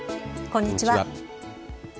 こんにちは。